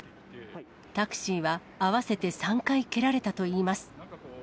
タクシーは、合わせて３回蹴られたといいます。